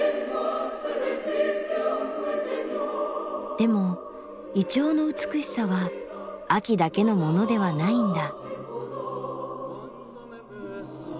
でも銀杏の美しさは秋だけのものではないんだ。